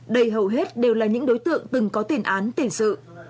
đây hầu hết đều là những đối tượng từng có tiền án tiền sự